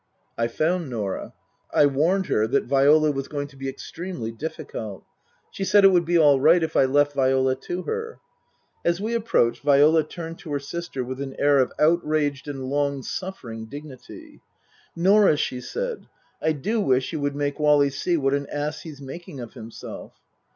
I found Norah. I warned her that Viola was going to be extremely difficult. She said it would be all right if I left Viola to her. As we approached, Viola turned to her sister with an air of outraged and long suffering dignity. " Norah," she said. "I do wish you would make Wally see what an ass he's making of himself."